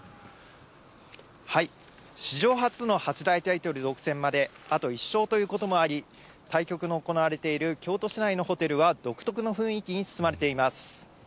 史上初の八大タイトル独占まで、あと１勝ということもあり、対局の行われている京都市内のホテルは、独特の雰囲気に包まれています。